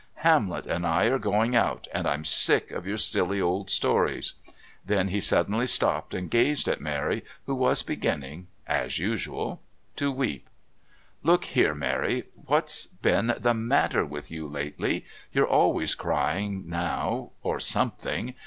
"Hamlet and I are going out. And I'm sick of your silly old stories." Then he suddenly stopped and gazed at Mary, who was beginning, as usual, to weep. "Look here, Mary, what's been the matter with you lately? You're always crying now or something.